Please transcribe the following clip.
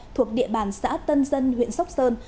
thuộc địa bàn xã tân dân huyện sóc sơn